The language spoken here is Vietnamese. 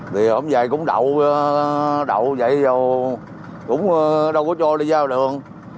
vì hôm nay cũng đậu vậy rồi cũng đâu có cho đi ra đường